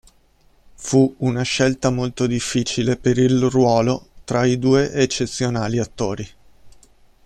Fu una scelta molto difficile per il ruolo tra i due eccezionali attori.